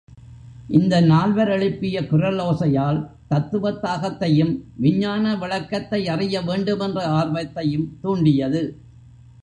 இந்த நால்வர் எழுப்பிய குரலோசையால் தத்துவத் தாகத்தையும், விஞ்ஞான விளக்கத்தையறிய வேண்டுமென்ற ஆர்வத்தையும் தூண்டியது.